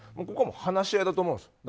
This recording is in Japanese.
ここは話し合いだと思うんです。